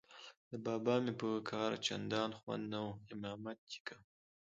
د بابا مې په کار چندان خوند نه و، امامت یې کاوه.